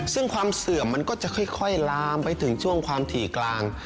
ซึ่งความเสื่อมมันก็จะค่อยลามไปถึงช่วงความถี่กลาง